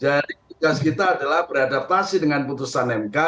jadi tugas kita adalah beradaptasi dengan putusan mk